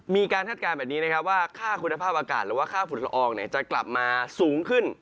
คาดการณ์แบบนี้นะครับว่าค่าคุณภาพอากาศหรือว่าค่าฝุ่นละอองจะกลับมาสูงขึ้น